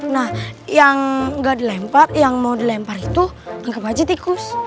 nah yang gak dilempar yang mau dilempar itu anggap aja tikus